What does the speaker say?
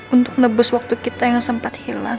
untuk nebus waktu kita yang sempat hilang